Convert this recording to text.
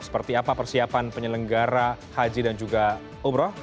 seperti apa persiapan penyelenggara haji dan juga umroh